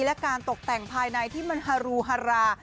และการตกแต่งภายในที่มันฮารูฮารา